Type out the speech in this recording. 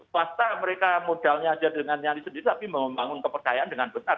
pasti mereka modalnya saja dengan nyaris sendiri tapi membangun kepercayaan dengan benar